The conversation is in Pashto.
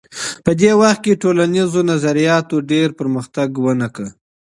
په دې وخت کي ټولنیزو نظریاتو ډېر پرمختګ ونه کړ.